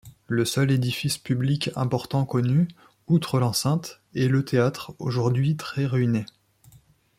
Le seul édifice public important connu, outre l'enceinte, est le théâtre, aujourd'hui très ruiné.